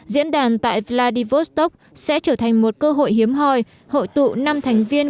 diễn đàn tại vladivostok sẽ trở thành một cơ hội hiếm hoi hội tụ năm thành viên